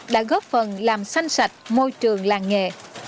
đã góp phần làm xanh sạch môi trường làng nghề